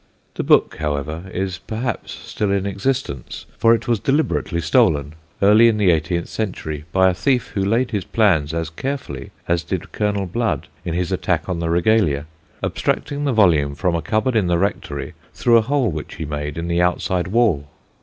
The book, however, is perhaps still in existence, for it was deliberately stolen, early in the eighteenth century, by a thief who laid his plans as carefully as did Colonel Blood in his attack on the regalia, abstracting the volume from a cupboard in the rectory, through a hole which he made in the outside wall.